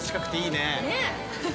ねっ。